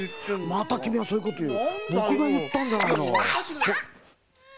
またそういうこという。